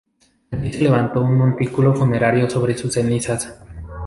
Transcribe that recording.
Allí se levantó un montículo funerario sobre sus cenizas.